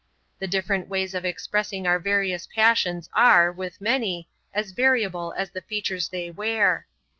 The different ways of expressing our various passions are, with many, as variable as the features they wear.